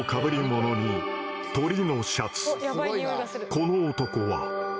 この男は。